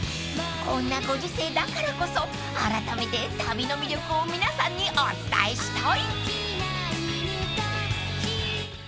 ［こんなご時世だからこそあらためて旅の魅力を皆さんにお伝えしたい］